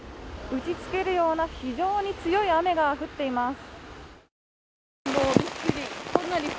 打ちつけるような非常に強い雨が降っています。